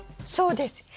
そうです。